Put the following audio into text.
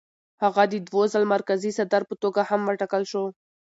هغه د دوو ځل مرکزي صدر په توګه هم وټاکل شو.